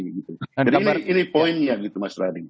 jadi ini poinnya gitu mas rading